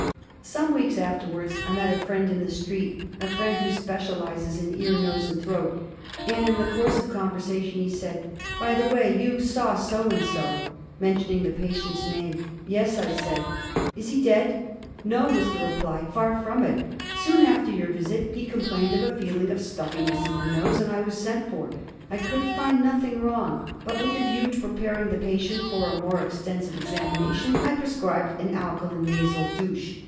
Some weeks afterwards I met a friend in the street — a friend who specialises in ear, nose, and throat — and in the course of conversation he said, " By the way, you saw so and so," mentioning the patient's name. " Yes," I said, " is he dead ?"" No," was the reply, " far from it. Soon after your visit he complained of a feeling of stuffiness in the nose, and I was sent for. I could find nothing wrong; but with the view to preparing the patient for a more complete examination I prescribed an alkaline nasal douche.